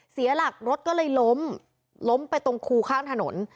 เสียหลักรถก็เลยล้มล้มไปตรงคูข้างถนน